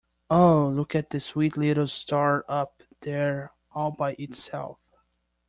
Oh, look at that sweet little star up there all by itself.